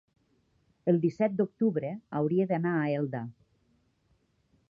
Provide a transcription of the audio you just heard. El disset d'octubre hauria d'anar a Elda.